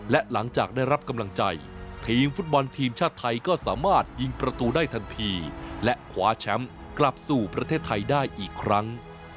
และหลังจากได้รับกำลังใจทีมฟุตบอลทีมชาติไทยก็สามารถยิงประตูได้ทันทีและคว้าแชมป์กลับสู่ประเทศไทยได้อีกครั้ง